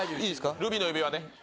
ルビーの指環ね。